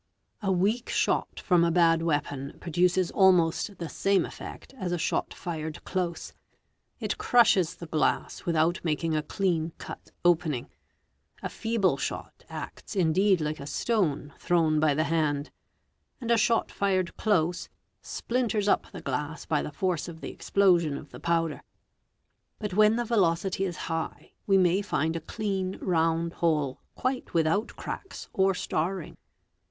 A weak shot from a bad weapon pro . duces almost the same effect as a shot fired close; it crushes the glass without making a lean cut opening. A feeble shot acts indeed like a stone thrown by the hand ®®, and a shot ired close, splinters up the glass by the force of he explosion of the powder. But when the elocity is high, we may find a clean round hole Fig. 57 mite without cracks or starring.